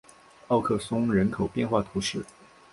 奥克松人口变化图示